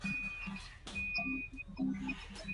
আমাদের টাকা নেই!